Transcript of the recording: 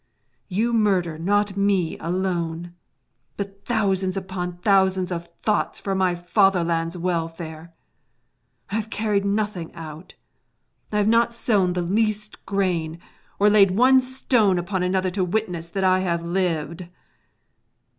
You murder not me alone, but thousands upon thousands of thoughts for my fatherland's welfare; I have carried nothing out, I have not sown the least grain, or laid one stone upon another to witness that I have lived.